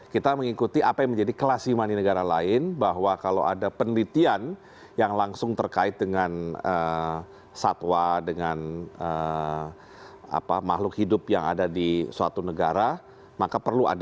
kita mengikuti apa yang menjadi kelas imani negara lain bahwa kalau ada penelitian yang langsung terkait dengan satwa dengan makhluk hidup yang ada di suatu negara maka perlu ada